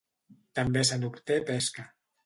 També se n'obté pesca.